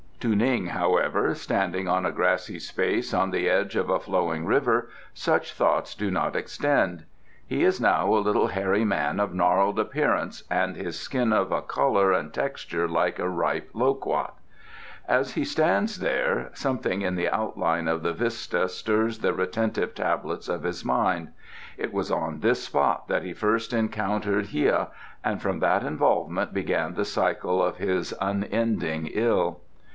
To Ning, however, standing on a grassy space on the edge of a flowing river, such thoughts do not extend. He is now a little hairy man of gnarled appearance, and his skin of a colour and texture like a ripe lo quat. As he stands there, something in the outline of the vista stirs the retentive tablets of his mind: it was on this spot that he first encountered Hia, and from that involvement began the cycle of his unending ill.